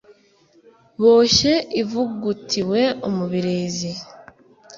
boshye ivugutiwe umubirizi.